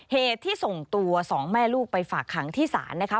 เหตุที่ส่งตัวสองแม่ลูกไปฝากขังที่ศาลนะคะ